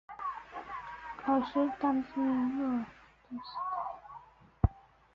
奥斯坦金诺电视塔。